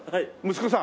息子さん？